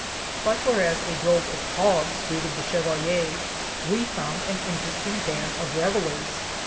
But whereas a drove of hogs greeted the chevalier, we found an interesting band of revellers.